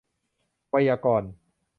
ไวยากรณ์